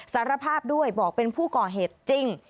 สารภาพด้วยบอกเป็นผู้ก่อเหตุจริง